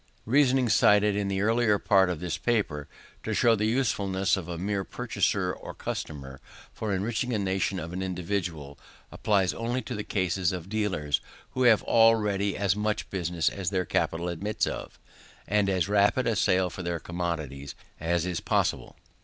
The reasoning cited in the earlier part of this paper, to show the uselessness of a mere purchaser or customer, for enriching a nation or an individual, applies only to the case of dealers who have already as much business as their capital admits of, and as rapid a sale for their commodities as is possible.